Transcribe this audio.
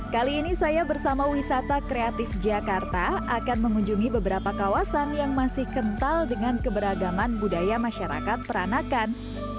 kali ini saya bersama wisata kreatif jakarta akan mengunjungi beberapa kawasan yang masih kental dengan keberagaman budaya masyarakat peranakan